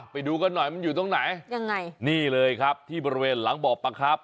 ไปดูกันหน่อยมันอยู่ตรงไหนยังไงนี่เลยครับที่บริเวณหลังบ่อประครับ